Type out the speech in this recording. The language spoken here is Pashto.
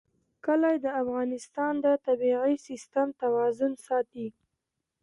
کلي د افغانستان د طبعي سیسټم توازن ساتي.